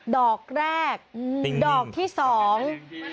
ดอกแรกอืมดอกที่สอง